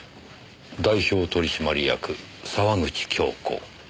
「代表取締役沢口京子」。